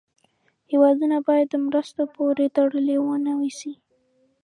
هېوادونه باید د مرستو پورې تړلې و نه اوسي.